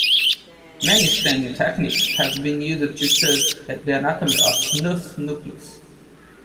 Many staining techniques have been used to study the anatomy of Onuf's nucleus.